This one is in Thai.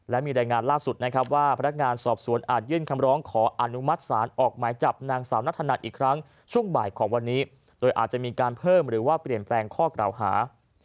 และมีรายงานล่าสุดนะครับว่าพนักงานสอบสวนอาจยื่นคำร้องขออนุมัติศาลออกหมายจับนางสาวนัทธนันอีกครั้งช่วงบ่ายของวันนี้โดยอาจจะมีการเพิ่มหรือว่าเปลี่ยนแปลงข้อกล่าวหา